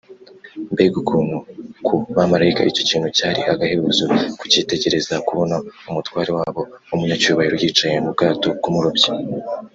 mbega ukuntu ku bamarayika icyo kintu cyari agahebuzo kucyitegereza; kubona umutware wabo w’umunyacyubahiro yicaye mu bwato bw’umurobyi